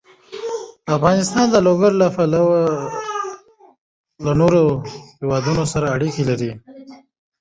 افغانستان د لوگر له پلوه له نورو هېوادونو سره اړیکې لري.